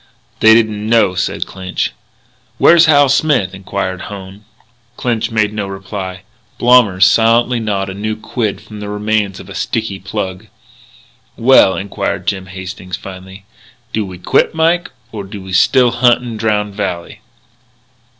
"They didn't know," said Clinch. "Where's Hal Smith?" inquired Hone. Clinch made no reply. Blommers silently gnawed a new quid from the remains of a sticky plug. "Well," inquired Jim Hastings finally, "do we quit, Mike, or do we still hunt in Drowned Valley?"